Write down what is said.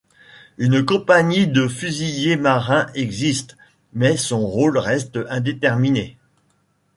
Une compagnie de fusiliers marins existe, mais son rôle reste indéterminé.